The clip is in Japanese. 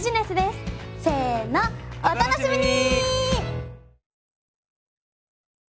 せのお楽しみに！